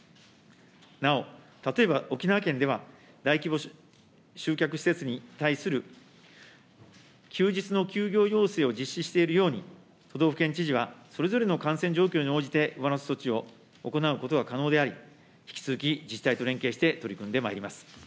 なお、例えば沖縄県では、大規模集客施設に対する休日の休業要請を実施しているように、都道府県知事はそれぞれの感染状況に応じて上乗せ措置を行うことが可能であり、引き続き、自治体と連携して取り組んでまいります。